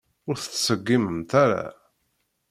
Ur tettṣeggimemt ara.